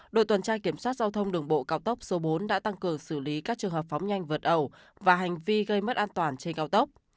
đội tuần tra kiểm soát giao thông đường bộ cao tốc số bốn đã tăng cường xử lý các trường hợp phóng nhanh vượt ẩu và hành vi gây mất an toàn trên cao tốc